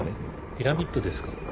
ピラミッドですか。